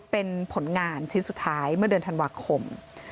เป็นผลงานชิ้นสุดท้ายเมื่อเดือนธันวาคม